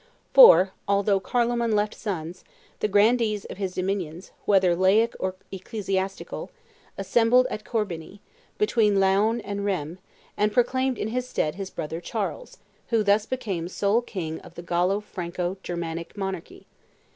For, although Carloman left sons, the grandees of his dominions, whether laic or ecclesiastical, assembled at Corbeny, between Laon and Rheims, and proclaimed in his stead his brother Charles, who thus became sole king of the Gallo Franco Germanic monarchy.